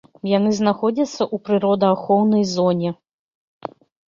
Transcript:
Яны знаходзяцца ў прыродаахоўнай зоне.